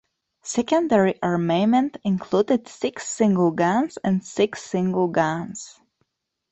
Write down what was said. Secondary armament included six single guns and six single guns.